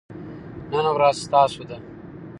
نن ورځ ستاسو ده.